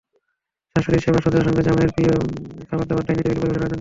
শাশুড়ির সেবা শুশ্রূষার সঙ্গে জামাইয়ের প্রিয় খাবারদাবার ডাইনিং টেবিলে পরিবেশনের আয়োজন চলছে।